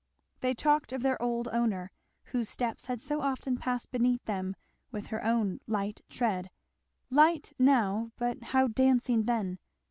They talked of their old owner, whose steps had so often passed beneath them with her own light tread, light now, but how dancing then!